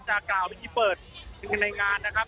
จะก่อวิธีเปิดในงานนะครับ